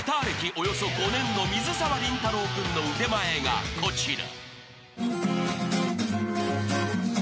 およそ５年の水沢林太郎君の腕前がこちら］